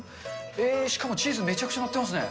えー、しかもチーズめちゃくちゃ載ってますね。